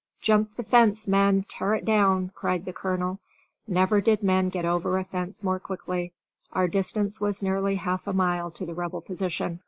"Jump the fence, men! tear it down!" cried the colonel. Never did men get over a fence more quickly. Our distance was nearly half a mile to the Rebel position.